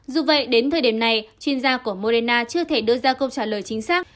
dù vậy đến thời điểm này chuyên gia của morena chưa thể đưa ra câu trả lời chính xác